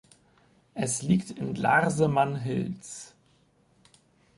Er liegt in den Larsemann Hills.